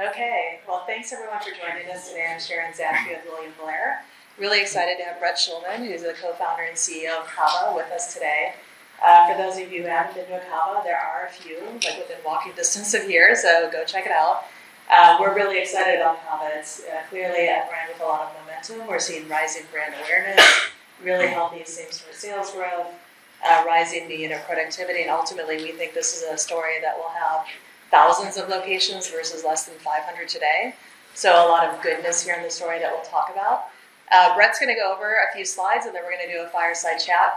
Okay. Well, thanks everyone for joining us today. I'm Sharon Zackfia of William Blair. Really excited to have Brett Schulman, who's the co-founder and CEO of CAVA, with us today. For those of you who haven't been to a CAVA, there are a few within walking distance of here, so go check it out. We're really excited on CAVA. It's clearly a brand with a lot of momentum. We're seeing rising brand awareness, really healthy same-store sales growth, rising unit productivity, and ultimately, we think this is a story that will have thousands of locations versus less than 500 today. A lot of goodness here in the story that we'll talk about. Brett's going to go over a few slides, and then we're going to do a fireside chat.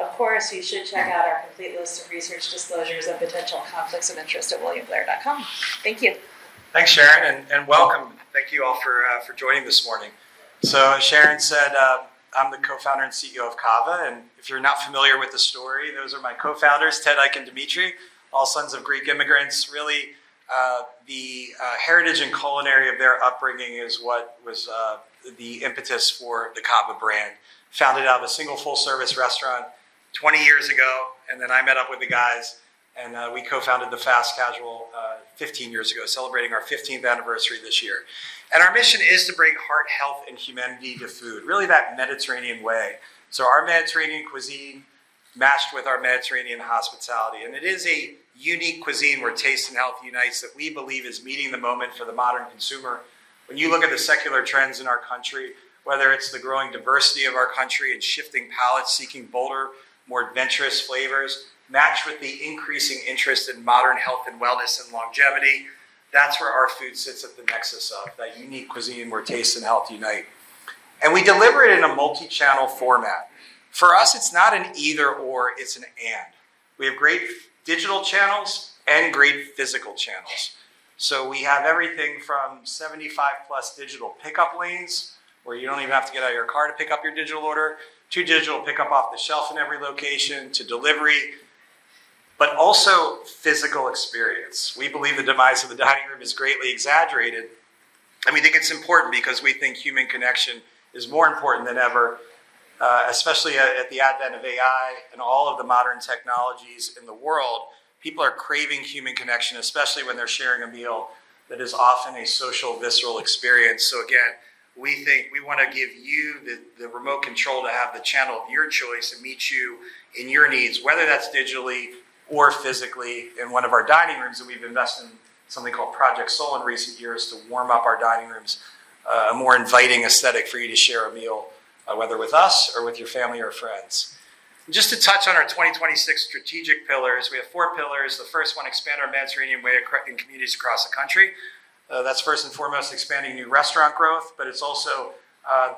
Of course, you should check out our complete list of research disclosures and potential conflicts of interest at williamblair.com. Thank you. Thanks, Sharon, and welcome. Thank you all for joining this morning. As Sharon said, I'm the Co-Founder and CEO of CAVA, and if you're not familiar with the story, those are my co-founders, Ted, Ike, and Dimitri, all sons of Greek immigrants. Really, the heritage and culinary of their upbringing is what was the impetus for the CAVA brand. Founded out of a single full-service restaurant 20 years ago, and then I met up with the guys, and we co-founded the fast casual 15 years ago, celebrating our 15th anniversary this year. Our mission is to bring heart, health, and humanity to food, really that Mediterranean way. Our Mediterranean cuisine matched with our Mediterranean hospitality, and it is a unique cuisine where taste and health unites that we believe is meeting the moment for the modern consumer. When you look at the secular trends in our country, whether it's the growing diversity of our country and shifting palate seeking bolder, more adventurous flavors, matched with the increasing interest in modern health and wellness and longevity, that's where our food sits at the nexus of that unique cuisine where taste and health unite. We deliver it in a multi-channel format. For us, it's not an either/or, it's an and. We have great digital channels and great physical channels. We have everything from 75-plus digital pickup lanes where you don't even have to get out of your car to pick up your digital order, to digital pickup off the shelf in every location to delivery, but also physical experience. We believe the demise of the dining room is greatly exaggerated, and we think it's important because we think human connection is more important than ever. Especially at the advent of AI and all of the modern technologies in the world, people are craving human connection, especially when they're sharing a meal. That is often a social, visceral experience. Again, we think we want to give you the remote control to have the channel of your choice and meet you in your needs, whether that's digitally or physically in one of our dining rooms that we've invested in something called Project Soul in recent years to warm up our dining rooms, a more inviting aesthetic for you to share a meal, whether with us or with your family or friends. Just to touch on our 2026 strategic pillars, we have four pillars. The first one, expand our Mediterranean way of cooking in communities across the country. That's first and foremost expanding new restaurant growth, but it's also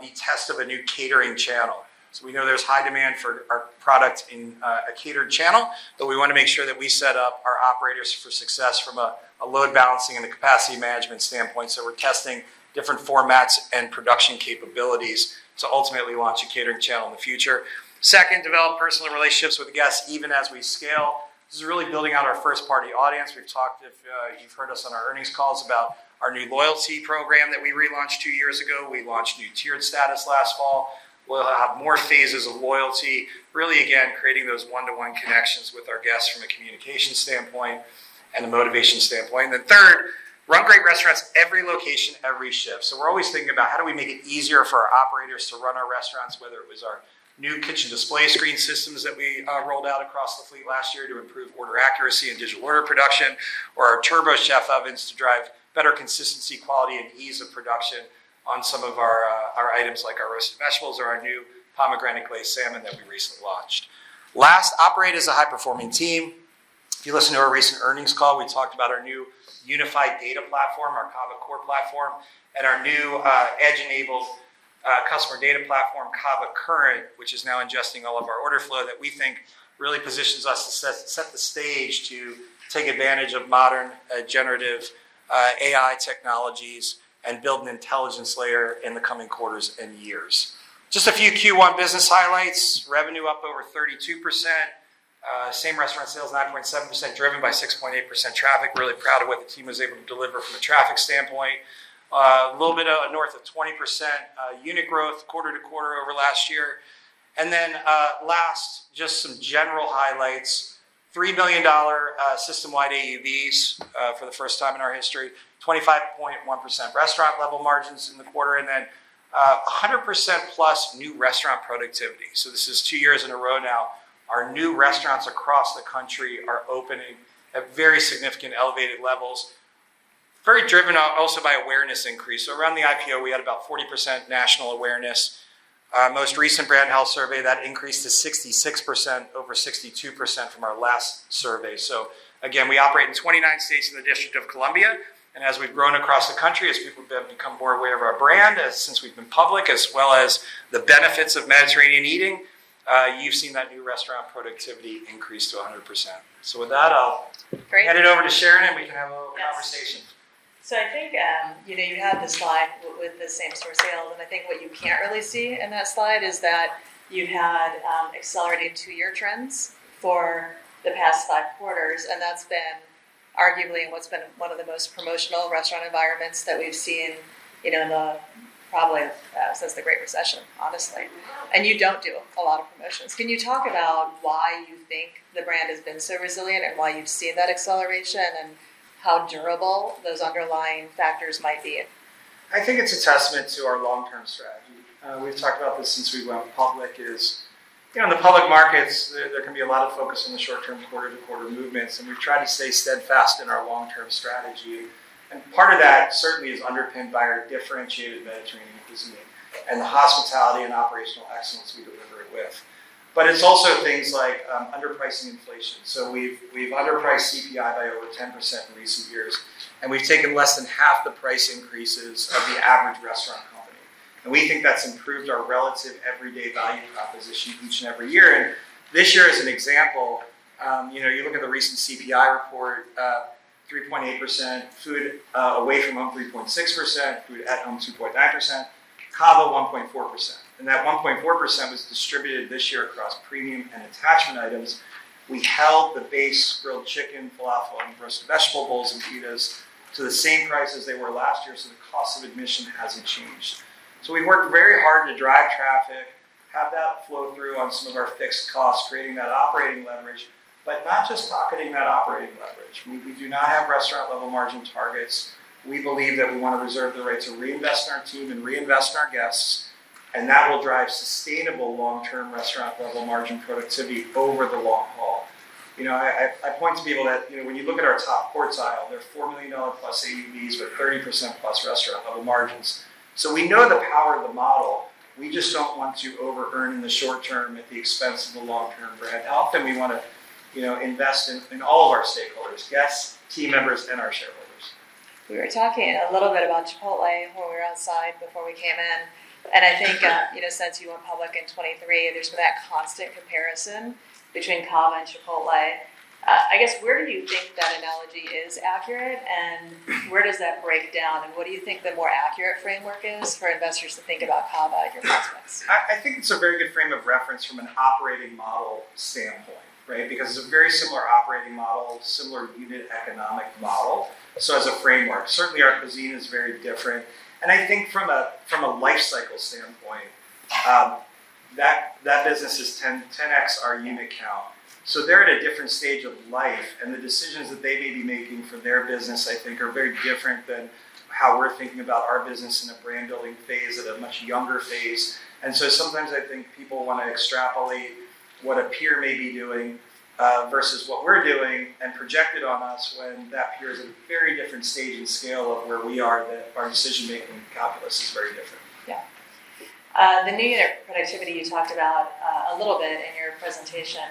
the test of a new catering channel. We know there's high demand for our product in a catered channel, but we want to make sure that we set up our operators for success from a load balancing and a capacity management standpoint. We're testing different formats and production capabilities to ultimately launch a catering channel in the future. Second, develop personal relationships with guests even as we scale. This is really building out our first-party audience. We've talked, if you've heard us on our earnings calls, about our new CAVA Rewards that we relaunched two years ago. We launched new tiered status last fall. We'll have more phases of CAVA Rewards. Really, again, creating those one-to-one connections with our guests from a communication standpoint and a motivation standpoint. Third, run great restaurants every location, every shift. We're always thinking about how do we make it easier for our operators to run our restaurants, whether it was our new kitchen display screen systems that we rolled out across the fleet last year to improve order accuracy and digital order production, or our TurboChef ovens to drive better consistency, quality, and ease of production on some of our items like our roasted vegetables or our new pomegranate glazed salmon that we recently launched. Last, operate as a high-performing team. If you listen to our recent earnings call, we talked about our new unified data platform, our CAVA CORE platform, and our new edge-enabled customer data platform, CAVA CURRENT, which is now ingesting all of our order flow that we think really positions us to set the stage to take advantage of modern generative AI technologies and build an intelligence layer in the coming quarters and years. Just a few Q1 business highlights. Revenue up over 32%, same restaurant sales 9.7% driven by 6.8% traffic. Really proud of what the team was able to deliver from a traffic standpoint. A little bit north of 20% unit growth quarter to quarter over last year. Last, just some general highlights. $3 million system-wide AUVs for the first time in our history. 25.1% restaurant level margins in the quarter, and then 100%-plus new restaurant productivity. This is two years in a row now our new restaurants across the country are opening at very significant elevated levels. Very driven also by awareness increase. Around the IPO, we had about 40% national awareness. Our most recent brand health survey, that increased to 66%, over 62% from our last survey. Again, we operate in 29 states in the District of Columbia, as we've grown across the country, as people have become more aware of our brand since we've been public, as well as the benefits of Mediterranean eating, you've seen that new restaurant productivity increase to 100%. With that, I'll hand it over to Sharon, we can have a little conversation. I think you had the slide with the same-store sales. I think what you can't really see in that slide is that you had accelerated two-year trends for the past five quarters. That's been arguably in what's been one of the most promotional restaurant environments that we've seen in probably since the Great Recession, honestly. You don't do a lot of promotions. Can you talk about why you think the brand has been so resilient and why you've seen that acceleration and how durable those underlying factors might be? I think it's a testament to our long-term strategy. We've talked about this since we went public is, in the public markets, there can be a lot of focus on the short-term, quarter-to-quarter movements. We've tried to stay steadfast in our long-term strategy. Part of that certainly is underpinned by our differentiated Mediterranean cuisine and the hospitality and operational excellence we deliver it with. It's also things like underpricing inflation. We've underpriced CPI by over 10% in recent years. We've taken less than half the price increases of the average restaurant company. We think that's improved our relative everyday value proposition each and every year. This year, as an example, you look at the recent CPI report, 3.8% food away from home, 3.6% food at home, 2.9%, CAVA 1.4%. That 1.4% was distributed this year across premium and attachment items. We held the base grilled chicken, falafel, and roasted vegetable bowls and pitas to the same price as they were last year, so the cost of admission hasn't changed. We worked very hard to drive traffic, have that flow through on some of our fixed costs, creating that operating leverage, but not just pocketing that operating leverage. We do not have restaurant-level margin targets. We believe that we want to reserve the right to reinvest in our team and reinvest in our guests, and that will drive sustainable long-term restaurant-level margin productivity over the long haul. I point to people that when you look at our top quartile, they're $4 million-plus AUVs with 30%-plus restaurant-level margins. We know the power of the model. We just don't want to over-earn in the short term at the expense of the long-term brand. Often we want to invest in all of our stakeholders, guests, team members, and our shareholders. We were talking a little bit about Chipotle when we were outside before we came in. I think since you went public in 2023, there's been that constant comparison between CAVA and Chipotle. I guess, where do you think that analogy is accurate, and where does that break down, and what do you think the more accurate framework is for investors to think about CAVA at your price points? I think it's a very good frame of reference from an operating model standpoint, because it's a very similar operating model, similar unit economic model. As a framework. Certainly, our cuisine is very different, and I think from a lifecycle standpoint, that business is 10x our unit count. They're at a different stage of life, and the decisions that they may be making for their business, I think, are very different than how we're thinking about our business in a brand-building phase at a much younger phase. Sometimes I think people want to extrapolate what a peer may be doing versus what we're doing and project it on us when that peer is at a very different stage and scale of where we are that our decision-making calculus is very different. Yeah. The new unit productivity you talked about a little bit in your presentation.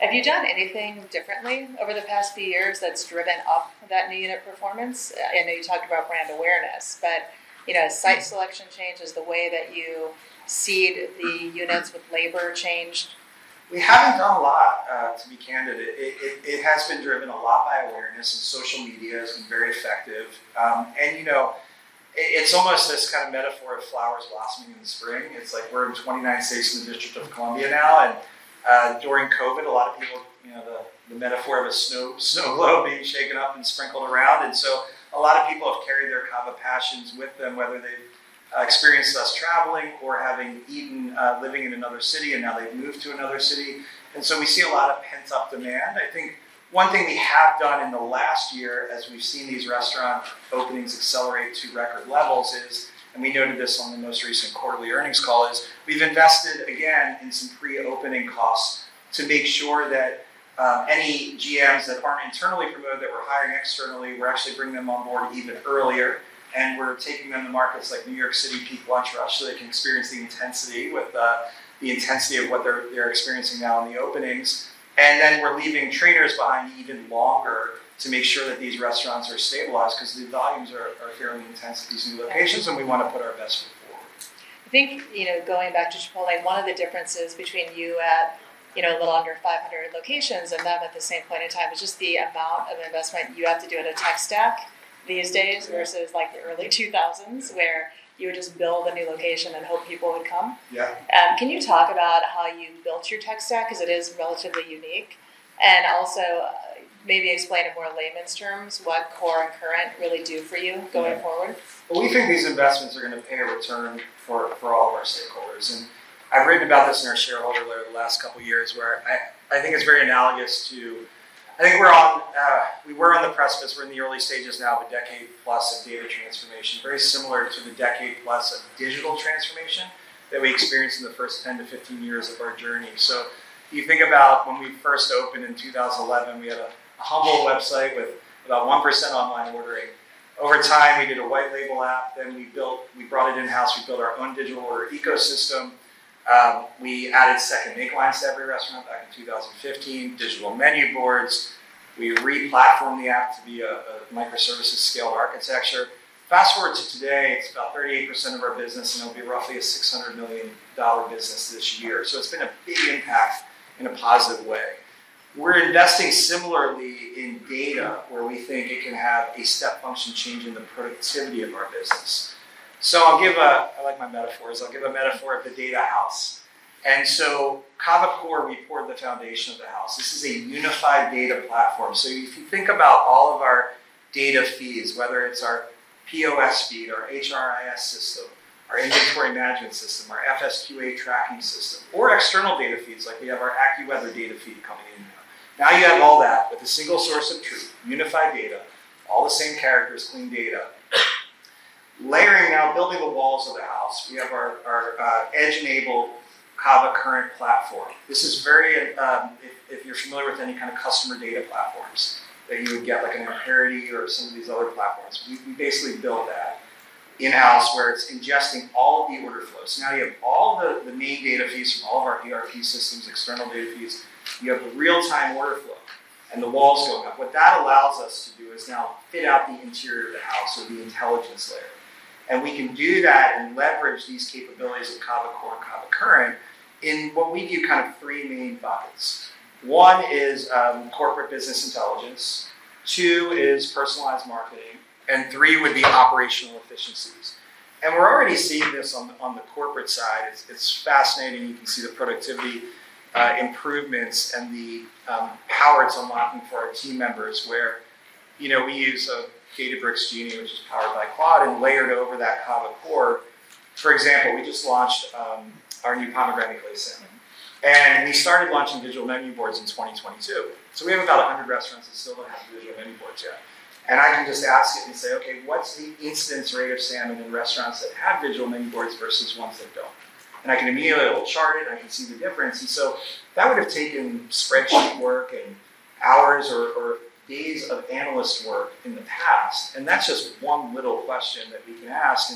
Have you done anything differently over the past few years that's driven up that new unit performance? I know you talked about brand awareness, but site selection changes, the way that you seed the units with labor changed? We haven't done a lot, to be candid. It has been driven a lot by awareness, social media has been very effective. It's almost this kind of metaphor of flowers blossoming in the spring. It's like we're in 29 states in the District of Columbia now, and during COVID, a lot of people, the metaphor of a snow globe being shaken up and sprinkled around. A lot of people have carried their CAVA passions with them, whether they've experienced us traveling or having eaten, living in another city, and now they've moved to another city. We see a lot of pent-up demand. I think one thing we have done in the last year, as we've seen these restaurant openings accelerate to record levels is, and we noted this on the most recent quarterly earnings call, is we've invested, again, in some pre-opening costs to make sure that any GMs that aren't internally promoted that we're hiring externally, we're actually bringing them on board even earlier, and we're taking them to markets like New York City peak lunch rush so they can experience the intensity with the intensity of what they're experiencing now in the openings. We're leaving trainers behind even longer to make sure that these restaurants are stabilized because the volumes are fairly intense at these new locations, and we want to put our best foot forward. I think, going back to Chipotle, one of the differences between you at a little under 500 locations and them at the same point in time is just the amount of investment you have to do in a tech stack these days versus the early 2000s where you would just build a new location and hope people would come. Yeah. Can you talk about how you built your tech stack? It is relatively unique, and also maybe explain in more layman's terms what Core and Current really do for you going forward. We think these investments are going to pay a return for all of our stakeholders. I've written about this in our shareholder letter the last couple of years where I think it's very analogous to, we were on the precipice. We're in the early stages now of a decade plus of data transformation, very similar to the decade plus of digital transformation that we experienced in the first 10 to 15 years of our journey. If you think about when we first opened in 2011, we had a humble website with about 1% online ordering. Over time, we did a white label app. We brought it in-house. We built our own digital order ecosystem. We added second make lines to every restaurant back in 2015, digital menu boards. We re-platformed the app to be a microservices scaled architecture. Fast-forward to today, it's about 38% of our business, and it'll be roughly a $600 million business this year. It's been a big impact in a positive way. We're investing similarly in data where we think it can have a step function change in the productivity of our business. I like my metaphors. I'll give a metaphor of the data house. CAVA CORE, we poured the foundation of the house. This is a unified data platform. If you think about all of our data feeds, whether it's our POS feed, our HRIS system, our inventory management system, our FSQA tracking system, or external data feeds like we have our AccuWeather data feed coming in now. Now you have all that with a single source of truth, unified data, all the same characters, clean data. Layering out, building the walls of the house, we have our edge-enabled CAVA CURRENT platform. If you're familiar with any kind of customer data platforms that you would get, like an Amperity or some of these other platforms, we basically built that in-house where it's ingesting all of the order flows. Now you have all the main data feeds from all of our ERP systems, external data feeds. You have the real-time order flow and the walls going up. What that allows us to do is now fit out the interior of the house or the intelligence layer. We can do that and leverage these capabilities with CAVA CORE and CAVA CURRENT in what we view kind of three main buckets. One is corporate business intelligence, two is personalized marketing, and three would be operational efficiencies. We're already seeing this on the corporate side. It's fascinating. You can see the productivity improvements and the power it's unlocking for our team members where we use a Databricks Genie, which is powered by cloud, and layered over that CAVA CORE. For example, we just launched our new pomegranate Glazed Salmon, and we started launching digital menu boards in 2022. So we have about 100 restaurants that still don't have digital menu boards yet. I can just ask it and say, "Okay, what's the instance rate of salmon in restaurants that have digital menu boards versus ones that don't?" I can immediately, it'll chart it. I can see the difference. That would've taken spreadsheet work and hours or days of analyst work in the past, and that's just one little question that we can ask.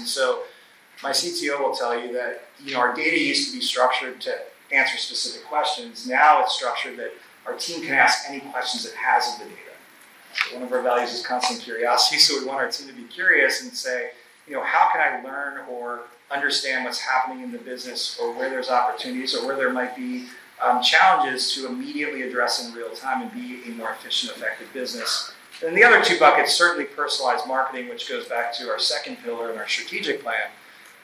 My CTO will tell you that our data used to be structured to answer specific questions. It's structured that our team can ask any questions it has of the data. One of our values is constant curiosity, we want our team to be curious and say, "How can I learn or understand what's happening in the business, or where there's opportunities, or where there might be challenges to immediately address in real time and be a more efficient, effective business?" The other two buckets, certainly personalized marketing, which goes back to our second pillar in our strategic plan,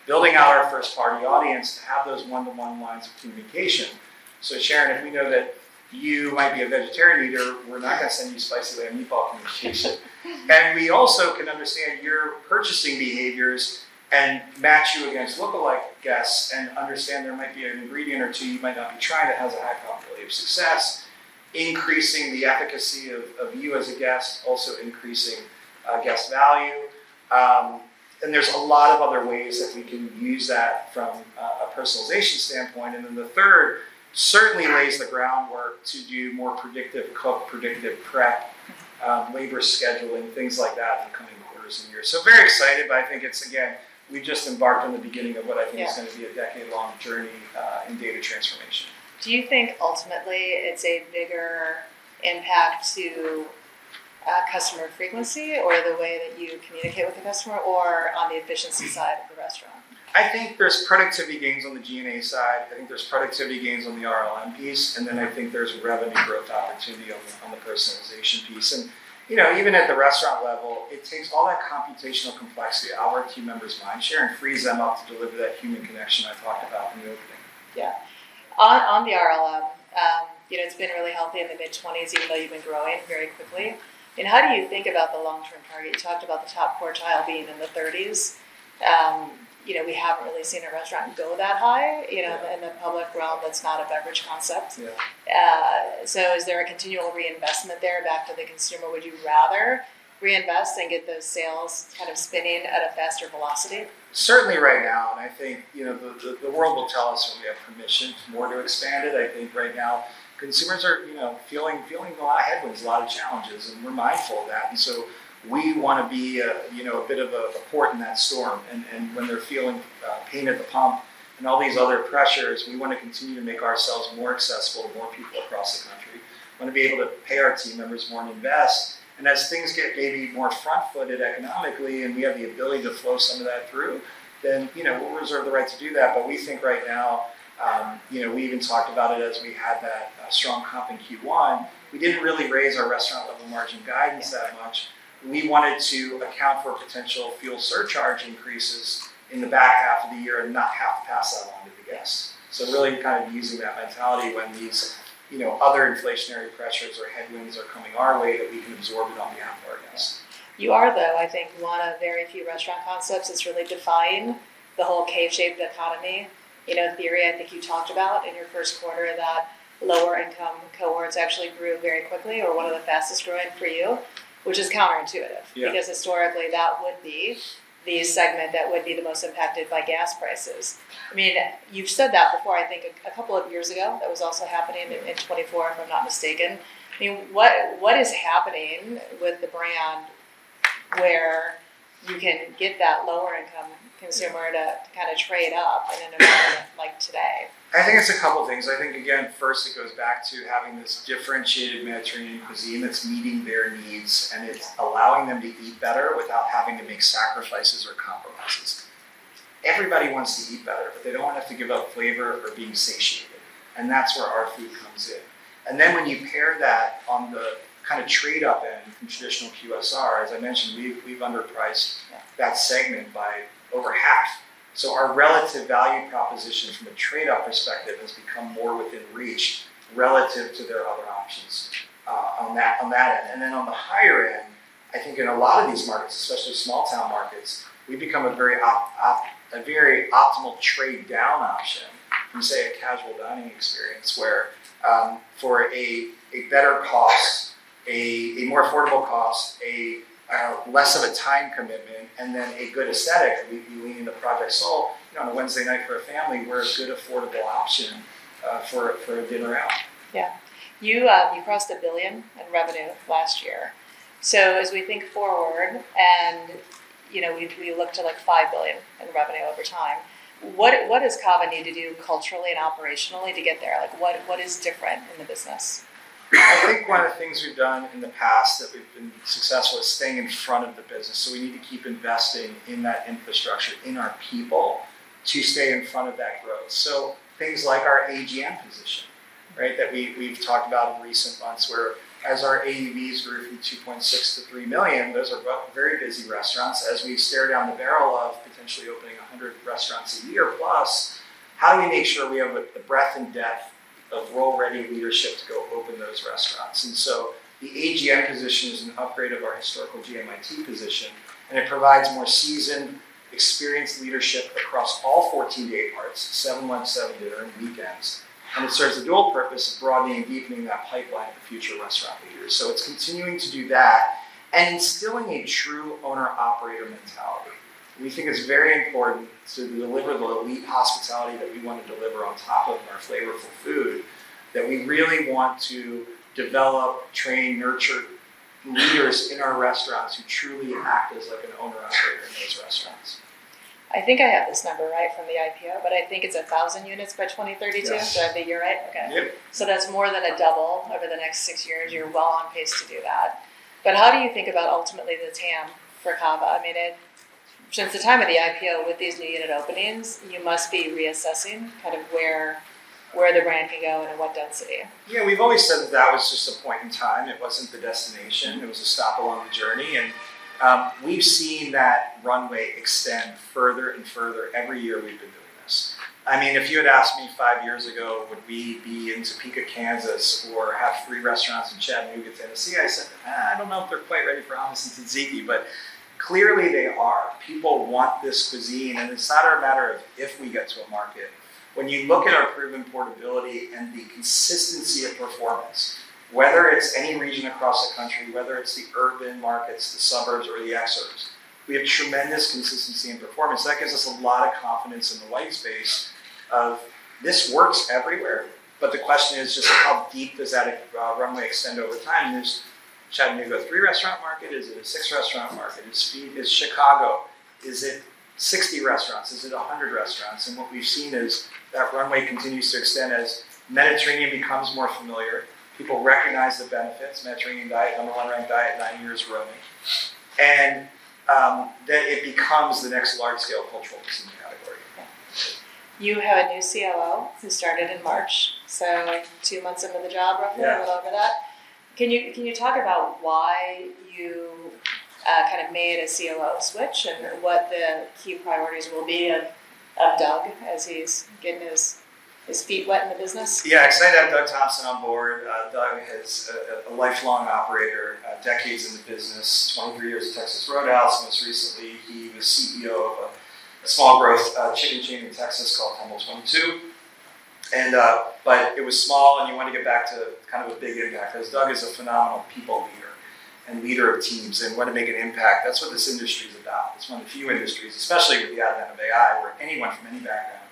building out our first-party audience to have those one-to-one lines of communication. Sharon, if we know that you might be a vegetarian eater, we're not going to send you spicy lamb meatballs communications. We also can understand your purchasing behaviors and match you against lookalike guests and understand there might be an ingredient or 2 you might not be trying that has a high probability of success, increasing the efficacy of you as a guest, also increasing guest value. There's a lot of other ways that we can use that from a personalization standpoint. The third certainly lays the groundwork to do more predictive cook, predictive prep, labor scheduling, things like that in the coming quarters and years. Very excited, but I think it's, again, we've just embarked on the beginning of what I think. Yeah is going to be a decade-long journey in data transformation. Do you think ultimately it's a bigger impact to customer frequency or the way that you communicate with the customer or on the efficiency side of the restaurant? I think there's productivity gains on the G&A side. I think there's productivity gains on the RLM piece. I think there's revenue growth opportunity on the personalization piece. Even at the restaurant level, it takes all that computational complexity out our team members' minds, Sharon, frees them up to deliver that human connection I talked about in the opening. Yeah. On the RLM, it's been really healthy in the mid 20s even though you've been growing very quickly. How do you think about the long-term target? You talked about the top quartile being in the 30s. We haven't really seen a restaurant go that high in the public realm that's not a beverage concept. Yeah. Is there a continual reinvestment there back to the consumer? Would you rather reinvest and get those sales kind of spinning at a faster velocity? Certainly right now. I think the world will tell us when we have permission for more to expand it. I think right now consumers are feeling a lot of headwinds, a lot of challenges. We're mindful of that. We want to be a bit of a port in that storm. When they're feeling pain at the pump and all these other pressures, we want to continue to make ourselves more accessible to more people across the country, want to be able to pay our team members more and invest. As things get maybe more front-footed economically and we have the ability to flow some of that through, we'll reserve the right to do that. We think right now, we even talked about it as we had that strong comp in Q1, we didn't really raise our restaurant level margin guidance that much. We wanted to account for potential fuel surcharge increases in the back half of the year and not have to pass that on to the guests. Yeah. Really kind of using that mentality when these other inflationary pressures or headwinds are coming our way, that we can absorb it on behalf of our guests. You are, though, I think one of very few restaurant concepts that's really defying the whole K-shaped economy theory. I think you talked about in your first quarter that lower income cohorts actually grew very quickly, or one of the fastest growing for you, which is counterintuitive. Yeah. Historically, that would be the segment that would be the most impacted by gas prices. You've said that before, I think a couple of years ago that was also happening in 2024, if I'm not mistaken. What is happening with the brand where you can get that lower income consumer to kind of trade up in an environment like today? I think it's a couple things. I think, again, first it goes back to having this differentiated Mediterranean cuisine that's meeting their needs, and it's allowing them to eat better without having to make sacrifices or compromises. Everybody wants to eat better. They don't want to have to give up flavor for being satiated. That's where our food comes in. Then when you pair that on the kind of trade up end from traditional QSR, as I mentioned, we've underpriced that segment by over half. Our relative value proposition from a trade-up perspective has become more within reach relative to their other options on that end. On the higher end, I think in a lot of these markets, especially small town markets, we've become a very optimal trade-down option from, say, a casual dining experience where, for a better cost, a more affordable cost, less of a time commitment, and then a good aesthetic, if you lean into Project Soul on a Wednesday night for a family, we're a good, affordable option for a dinner out. Yeah. You crossed $1 billion in revenue last year. As we think forward and we look to $5 billion in revenue over time, what does CAVA need to do culturally and operationally to get there? What is different in the business? I think one of the things we've done in the past that we've been successful is staying in front of the business. We need to keep investing in that infrastructure, in our people, to stay in front of that growth. Things like our AGM position that we've talked about in recent months, where as our AUVs were $2.6 million to $3 million, those are very busy restaurants. As we stare down the barrel of potentially opening 100 restaurants a year plus, how do we make sure we have the breadth and depth of role-ready leadership to go open those restaurants? The AGM position is an upgrade of our historical GMIT position, and it provides more seasoned, experienced leadership across all 14 day parts ,especially on weekends during our seven-month peak season. It serves a dual purpose of broadening and deepening that pipeline of future restaurant leaders. It's continuing to do that and instilling a true owner-operator mentality. We think it's very important to deliver the elite hospitality that we want to deliver on top of our flavorful food, that we really want to develop, train, nurture leaders in our restaurants who truly act as an owner-operator in those restaurants. I think I have this number right from the IPO, but I think it's 1,000 units by 2032. Yes. You're right? Okay. Yep. That's more than a double over the next six years. You're well on pace to do that. How do you think about ultimately the TAM for CAVA? Since the time of the IPO with these new unit openings, you must be reassessing where the brand can go and at what density. Yeah, we've always said that that was just a point in time. It wasn't the destination. It was a stop along the journey. We've seen that runway extend further and further every year we've been doing this. If you had asked me five years ago, would we be in Topeka, Kansas, or have three restaurants in Chattanooga, Tennessee? I'd have said, "Eh, I don't know if they're quite ready for hummus and tzatziki." Clearly, they are. People want this cuisine. It's not a matter of if we get to a market. When you look at our proven portability and the consistency of performance, whether it's any region across the country, whether it's the urban markets, the suburbs, or the exurbs, we have tremendous consistency in performance. That gives us a lot of confidence in the white space of this works everywhere. The question is just how deep does that runway extend over time? Is Chattanooga a three-restaurant market? Is it a six-restaurant market? Is Chicago, is it 60 restaurants? Is it 100 restaurants? What we've seen is that runway continues to extend as Mediterranean becomes more familiar. People recognize the benefits. Mediterranean diet, number one ranked diet nine years running. That it becomes the next large-scale cultural cuisine category. You have a new COO who started in March, so two months into the job, roughly. Yeah. A little bit up. Can you talk about why you made a COO switch and what the key priorities will be of Doug as he's getting his feet wet in the business? Yeah. Excited to have Doug Thompson on board. Doug is a lifelong operator, decades in the business. 23 years at Texas Roadhouse. Most recently, he was CEO of a small growth chicken chain in Texas called Tumble 22. It was small, and he wanted to get back to a big impact, as Doug is a phenomenal people leader and leader of teams and wanted to make an impact. That's what this industry is about. It's one of the few industries, especially with the advent of AI, where anyone from any background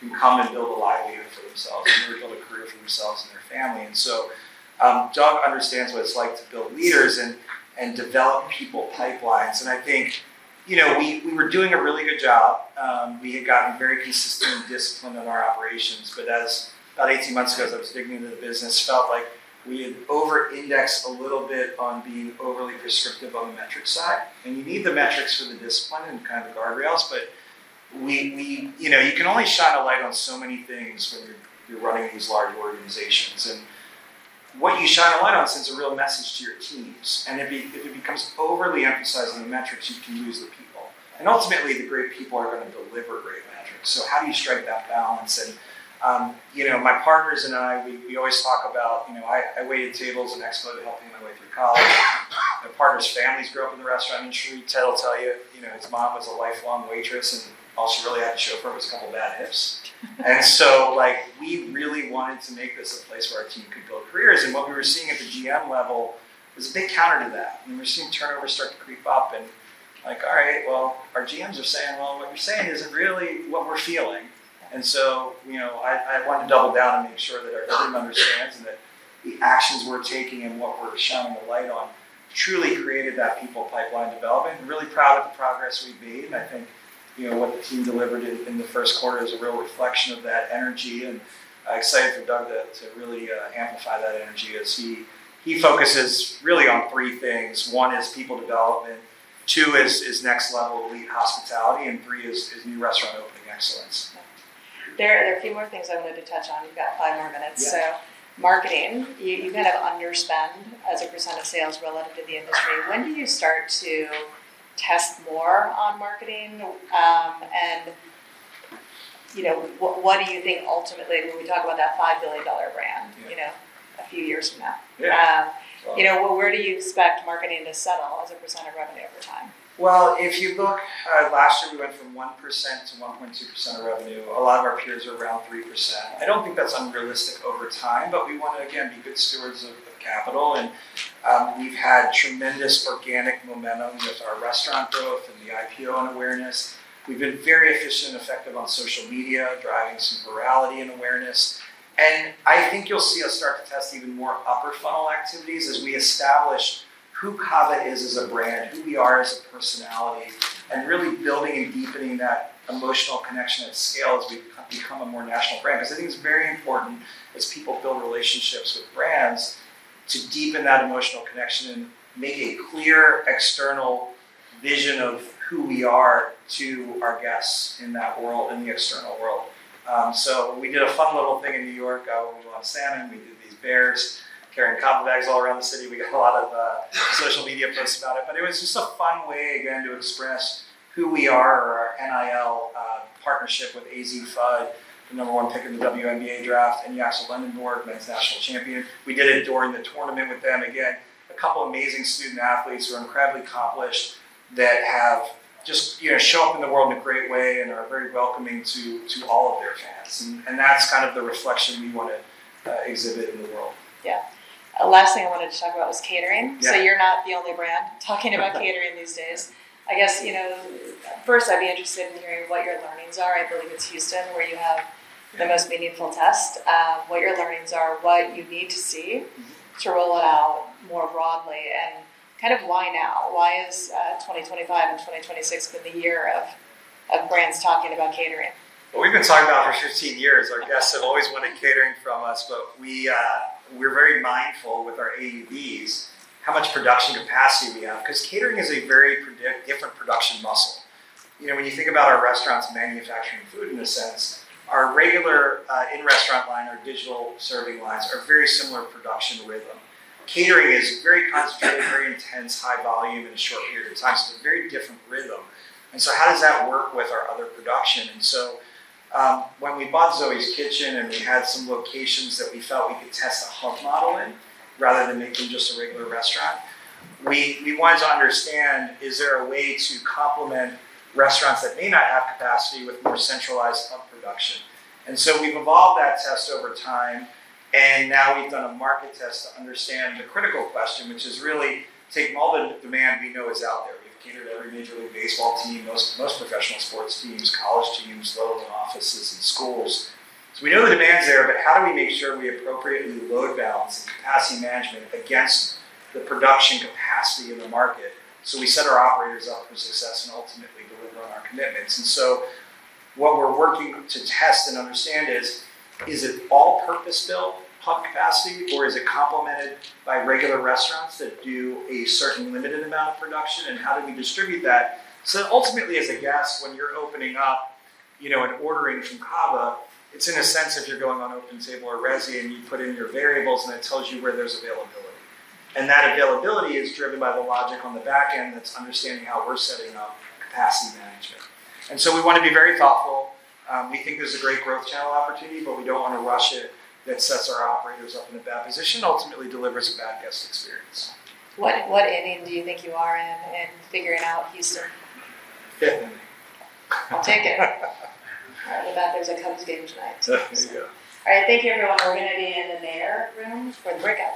can come and build a livelihood for themselves and build a career for themselves and their family. Doug understands what it's like to build leaders and develop people pipelines. I think we were doing a really good job. We had gotten very consistent discipline in our operations. About 18 months ago, as I was digging into the business, felt like we had over-indexed a little bit on being overly prescriptive on the metric side. You need the metrics for the discipline and the guardrails, but you can only shine a light on so many things when you're running these large organizations. What you shine a light on sends a real message to your teams. If it becomes overly emphasizing the metrics, you can lose the people. Ultimately, the great people are going to deliver great metrics. How do you strike that balance? My partners and I, we always talk about how I waited tables and expo'd to help pay my way through college. My partner's families grew up in the restaurant industry. Ted will tell you, his mom was a lifelong waitress, and all she really had to show for it was a couple bad hips. We really wanted to make this a place where our team could build careers. What we were seeing at the GM level was a big counter to that. We were seeing turnover start to creep up and like, "All right, well, our GMs are saying, well, what you're saying isn't really what we're feeling." I wanted to double down and make sure that our team understands and that the actions we're taking and what we're shining the light on truly created that people pipeline development. Really proud of the progress we've made, and I think what the team delivered in the first quarter is a real reflection of that energy, and excited for Doug to really amplify that energy as he focuses really on three things. One is people development, two is next-level elite hospitality, and three is new restaurant opening excellence. There are a few more things I wanted to touch on. You've got five more minutes. Yeah. Marketing. You've had an underspend as a percent of sales relative to the industry. When do you start to test more on marketing? What do you think ultimately when we talk about that $5 billion brand a few years from now? Yeah. Where do you expect marketing to settle as a % of revenue over time? Well, if you look, last year we went from 1% to 1.2% of revenue. A lot of our peers are around 3%. I don't think that's unrealistic over time, but we want to, again, be good stewards of capital and we've had tremendous organic momentum with our restaurant growth and the IPO and awareness. We've been very efficient and effective on social media, driving some virality and awareness. I think you'll see us start to test even more upper funnel activities as we establish who CAVA is as a brand, who we are as a personality, and really building and deepening that emotional connection at scale as we become a more national brand. Because I think it's very important as people build relationships with brands to deepen that emotional connection and make a clear external vision of who we are to our guests in that world, in the external world. We did a fun little thing in New York when we launched salmon. We did these bears carrying CAVA bags all around the city. It was just a fun way, again, to express who we are or our NIL partnership with Azzi Fudd, the number 1 pick in the WNBA draft, and Armando Bacot, men's national champion. We did it during the tournament with them. Again, a couple amazing student athletes who are incredibly accomplished that have just shown up in the world in a great way and are very welcoming to all of their fans. That's the reflection we want to exhibit in the world. Yeah. Last thing I wanted to talk about was catering. Yeah. You're not the only brand talking about catering these days. First, I'd be interested in hearing what your learnings are. I believe it's Houston where you have the most meaningful test. What your learnings are, what you need to see to roll it out more broadly, and why now? Why has 2025 and 2026 been the year of brands talking about catering? We've been talking about it for 15 years. Our guests have always wanted catering from us, but we're very mindful with our AUVs how much production capacity we have, because catering is a very different production muscle. When you think about our restaurants manufacturing food, in a sense, our regular in-restaurant line, our digital serving lines are very similar production rhythm. Catering is very concentrated, very intense, high volume in a short period of time, so it's a very different rhythm. How does that work with our other production? When we bought Zoës Kitchen and we had some locations that we felt we could test a hub model in rather than making just a regular restaurant, we wanted to understand is there a way to complement restaurants that may not have capacity with more centralized hub production? We've evolved that test over time, and now we've done a market test to understand the critical question, which is really take all the demand we know is out there. We've catered every Major League Baseball team, most professional sports teams, college teams, those in offices and schools. We know the demand's there, but how do we make sure we appropriately load balance the capacity management against the production capacity in the market so we set our operators up for success and ultimately deliver on our commitments? What we're working to test and understand is it all-purpose built hub capacity or is it complemented by regular restaurants that do a certain limited amount of production? How do we distribute that? That ultimately, as a guest, when you're opening up and ordering from CAVA, it's in a sense if you're going on OpenTable or Resy and you put in your variables and it tells you where there's availability. That availability is driven by the logic on the back end that's understanding how we're setting up capacity management. We want to be very thoughtful. We think there's a great growth channel opportunity, but we don't want to rush it. That sets our operators up in a bad position, ultimately delivers a bad guest experience. What inning do you think you are in in figuring out Houston? Fifth. I'll take it. All right. I'm glad there's a Cubs game tonight. There you go. All right. Thank you, everyone. We're going to be in the Mayer room for the breakout.